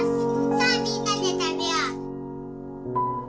さあみんなで食べよう！